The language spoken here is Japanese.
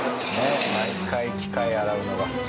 毎回機械洗うのが。